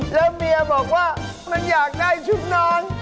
แล้วเมียบอกว่ามันอยากได้ชุดนอน